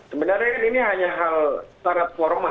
sebenarnya ini hanya hal secara formal